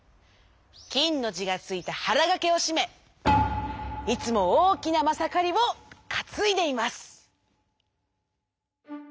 「きん」のじがついたはらがけをしめいつもおおきなまさかりをかついでいます。